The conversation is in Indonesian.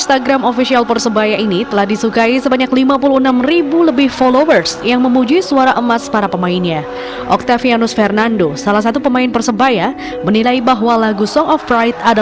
emosi jiwaku diakui sebagai penyemangat